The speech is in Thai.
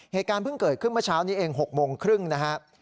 เหตุการณ์เพิ่งเกิดขึ้นเมื่อเช้านี้เอง๖โมงครึ่งนะครับ